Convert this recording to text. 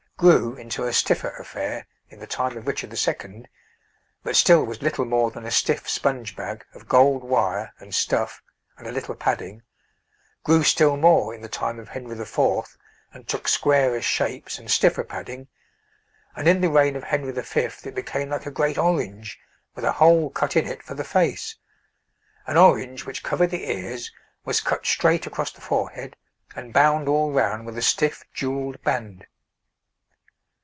grew into a stiffer affair in the time of Richard II., but still was little more than a stiff sponge bag of gold wire and stuff and a little padding; grew still more in the time of Henry IV., and took squarer shapes and stiffer padding; and in the reign of Henry V. it became like a great orange, with a hole cut in it for the face an orange which covered the ears, was cut straight across the forehead, and bound all round with a stiff jewelled band.